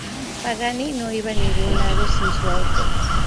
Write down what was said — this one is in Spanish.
Pagani no iba a ningún lado sin su auto.